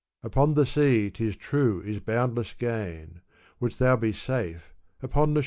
' Upon the sea 'tis true is boundless gain : Wouldst thou be safe, upon the shore remain.'